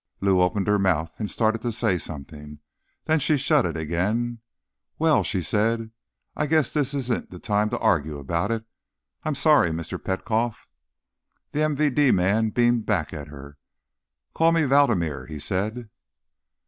Lou opened her mouth and started to say something. Then she shut it again. "Well," she said, "I guess this isn't the time to argue about it. I'm sorry, Mr. Petkoff." The MVD man beamed back at her. "Call me Vladimir," he said.